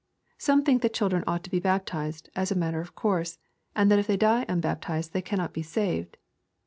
Some think that children ought to be bap tized, as a matter of course, and that if they die unbaptized they cannot be saved.